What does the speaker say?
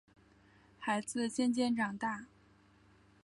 孩子渐渐长大